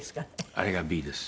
あれがＢＥです。